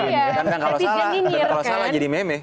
kan kalau salah jadi meme